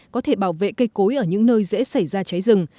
có thể bảo vệ cây cối ở những nơi dễ xảy ra cháy rừng